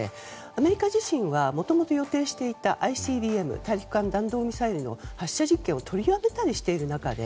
アメリカ自身はもともと予定していたＩＣＢＭ・大陸間弾道ミサイルの発射実験を取りやめたりしている中で